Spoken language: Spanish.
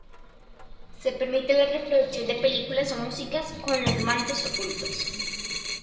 Se permite la reproducción de películas o música con los mandos ocultos.